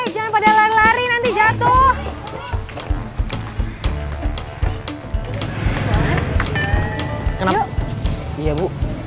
jangan pada lari lari nanti jatuh